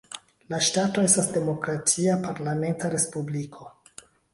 La ŝtato estas demokratia, parlamenta respubliko.